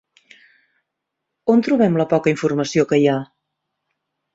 On trobem la poca informació que hi ha?